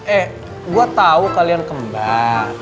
eh gue tau kalian kembang